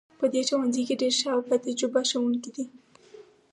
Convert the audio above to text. په دې ښوونځي کې ډیر ښه او تجربه لرونکي ښوونکي دي